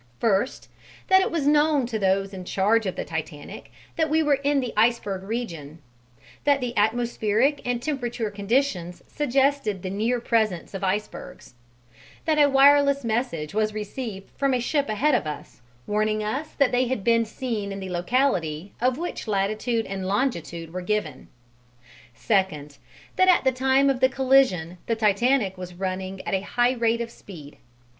First, that it was known to those in charge of the Titanic that we were in the iceberg region; that the atmospheric and temperature conditions suggested the near presence of icebergs; that a wireless message was received from a ship ahead of us warning us that they had been seen in the locality of which latitude and longitude were given. Second, that at the time of the collision the Titanic was running at a high rate of speed.